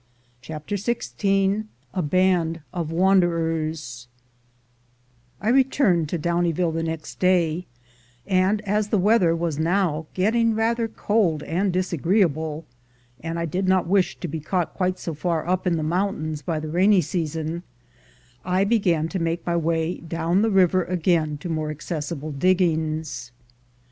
CHAPTER XVI A BAND OF WANDERERS I RETURNED to Downieville the next day, and as the weather was now getting rather cold and disagreeable, and I did not wish to be caught quite so far up in the mountains by the rainy season, I began to make my way down the river again to more acces sible diggings.